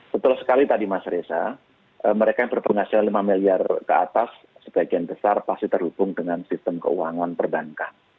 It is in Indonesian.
setelah sekali tadi mas reza mereka yang berpenghasilan lima miliar keatas sebagian besar pasti terhubung dengan sistem keuangan perdangkah